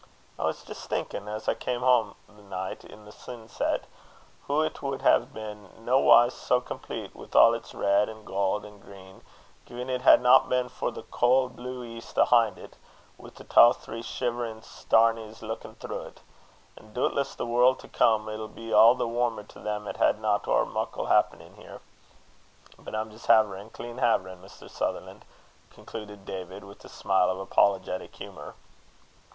I was jist thinkin', as I came hame the nicht in the sinset, hoo it wad hae been naewise sae complete, wi' a' its red an' gowd an' green, gin it hadna been for the cauld blue east ahint it, wi' the twa three shiverin' starnies leukin' through't. An' doubtless the warld to come 'ill be a' the warmer to them 'at hadna ower muckle happin here. But I'm jist haverin', clean haverin', Mr. Sutherlan'," concluded David, with a smile of apologetic humour.